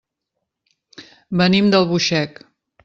Venim d'Albuixec.